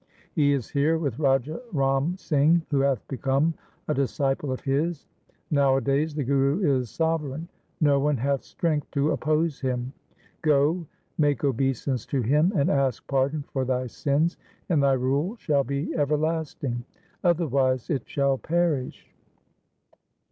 He is here with Raja Ram Singh who hath become a disciple of his. Nowadays the Guru is sovereign. No one hath strength to oppose him. Go, make obeisance to him, and ask pardon for thy sins, and thy rule shall be everlasting ; otherwise it shall perish.'